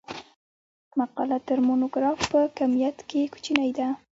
مقاله تر مونوګراف په کمیت کښي کوچنۍ ده.